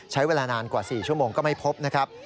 ใช้เวลานานกว่า๔ชั่วโมงก็ไม่พบนะครับ